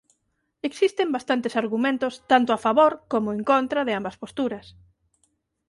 Existen bastantes argumentos tanto a favor como en contra de ambas posturas.